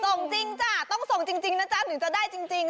จริงจ้ะต้องส่งจริงนะจ๊ะถึงจะได้จริง